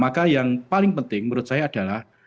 maka yang paling penting menurut saya adalah